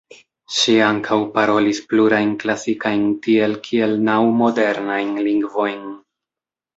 Ŝi ankaŭ parolis plurajn klasikajn tiel kiel naŭ modernajn lingvojn.